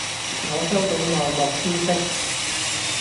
我收到內幕消息